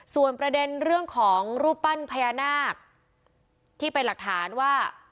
ส่วนประเด็นเรื่องของรูปปั้นพญานาคที่เป็นหลักฐานว่า